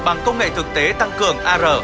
bằng công nghệ thực tế tăng cường ar